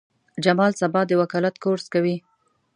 جمال سبا د وکالت کورس کوي.